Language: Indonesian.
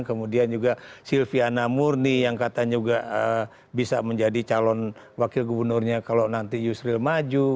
kemudian juga silviana murni yang katanya juga bisa menjadi calon wakil gubernurnya kalau nanti yusril maju